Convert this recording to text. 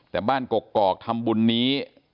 แต่บ้านกกอกทำบุญนี้